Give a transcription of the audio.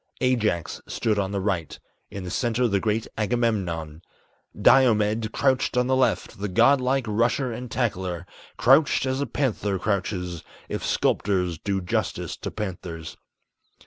Ajax stood on the right; in the center the great Agamemnon; Diomed crouched on the left, the god like rusher and tackler, Crouched as a panther crouches, if sculptors do justice to panthers.